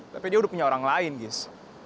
tapi dia udah punya orang lain gis